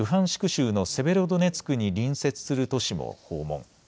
州のセベロドネツクに隣接する都市も訪問。